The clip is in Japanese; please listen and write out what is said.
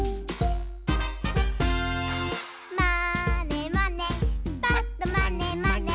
「まーねまねぱっとまねまね」